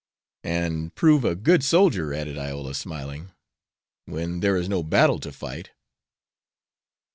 "And prove a good soldier," added Iola, smiling, "when there is no battle to fight."